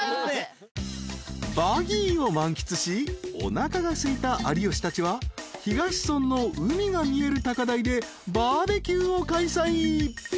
［バギーを満喫しおなかがすいた有吉たちは東村の海が見える高台でバーベキューを開催］